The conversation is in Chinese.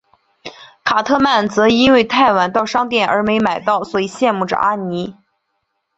卡特曼则因为太晚到商店而没买所以羡慕着阿尼。